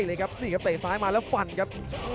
นี่ครับนี่ครับเตะซ้ายมาแล้วฟันครับ